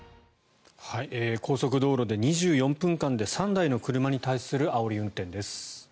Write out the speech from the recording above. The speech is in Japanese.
高速道路で２４分間で３台の車に対するあおり運転です。